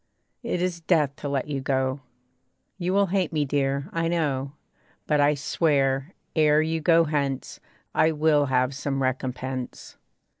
It is death to let you go. You will hate me, dear, I know; But I swear, ere you go hence, I will have some recompense.